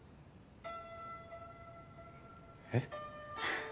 えっ？